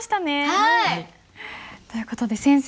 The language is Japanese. はい！という事で先生